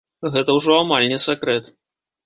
Гэта ўжо амаль не сакрэт.